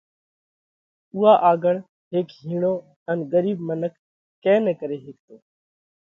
اُوئا آڳۯ هيڪ هِيڻو ان ڳرِيٻ منک ڪئين نه ڪري هيڪتو۔